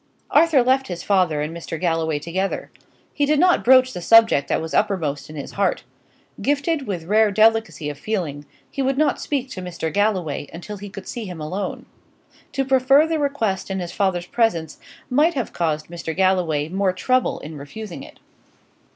Arthur left his father and Mr. Galloway together. He did not broach the subject that was uppermost in his heart. Gifted with rare delicacy of feeling, he would not speak to Mr. Galloway until he could see him alone. To prefer the request in his father's presence might have caused Mr. Galloway more trouble in refusing it.